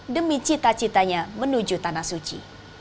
demi cita citanya menuju tanah suci